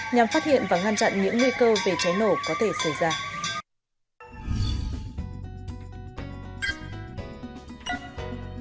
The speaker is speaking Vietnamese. nhằm phát hiện và ngăn chặn những nguy cơ về cháy nổ có thể xảy ra